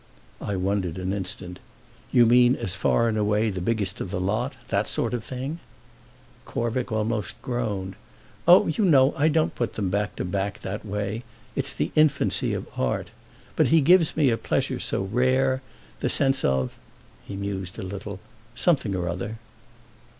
I wondered an instant. "You mean as far and away the biggest of the lot—that sort of thing?" Corvick almost groaned. "Oh you know, I don't put them back to back that way; it's the infancy of art! But he gives me a pleasure so rare; the sense of"—he mused a little—"something or other."